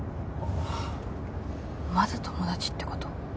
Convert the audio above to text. ああまだ友達ってこと？